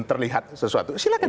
terlihat sesuatu silahkan